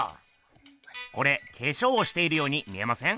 これ化粧をしているように見えません？